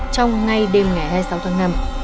trong ngay đêm ngày hai mươi sáu tháng năm